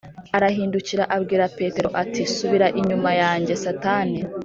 Arahindukira abwira Petero ati “Subira inyuma yanjye Satani,